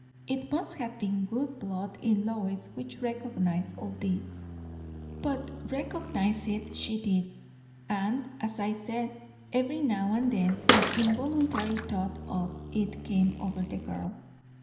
It must have been good blood in Lois which recognized all this, but recognize it she did; and, as I said, every now and then an involuntary thought of it came over the girl.